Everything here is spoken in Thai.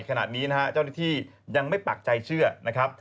ขณะนี้นะฮะเจ้าหน้าที่ยังไม่ปักใจเชื่อนะครับ